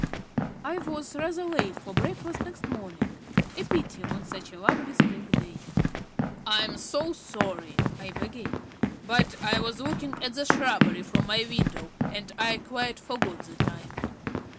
I was rather late for breakfast next morning; a pity on such a lovely spring day. "I'm so sorry," I began, "but I was looking at the shrubbery from my window and I quite forgot the time."